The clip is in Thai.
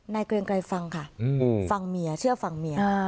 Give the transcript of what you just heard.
เกรงไกรฟังค่ะฟังเมียเชื่อฟังเมีย